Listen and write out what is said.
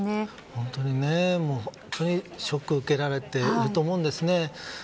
本当にショックを受けられていると思うんですね。